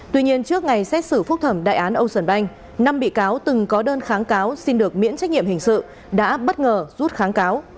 tuy nhiên trước ngày xét xử phúc thẩm đại án ocean bank năm bị cáo từng có đơn kháng cáo xin được miễn trách nhiệm hình sự đã bất ngờ rút kháng cáo